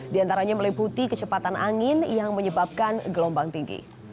di antaranya meliputi kecepatan angin yang menyebabkan gelombang tinggi